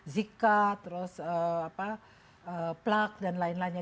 zika terus plug dan lain lainnya